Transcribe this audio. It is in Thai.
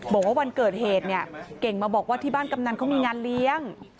บอกว่าวันเกิดเหตุเนี่ยเก่งมาบอกว่าที่บ้านกำนันเขามีงานเลี้ยง